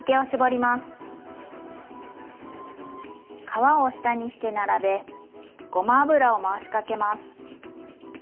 皮を下にして並べごま油を回しかけます。